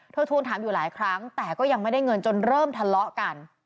ทวงถามอยู่หลายครั้งแต่ก็ยังไม่ได้เงินจนเริ่มทะเลาะกัน